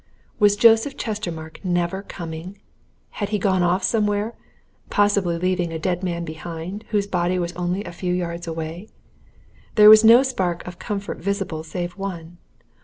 Was Joseph Chestermarke never coming? Had he gone off somewhere? possibly leaving a dead man behind, whose body was only a few yards away. There was no spark of comfort visible save one.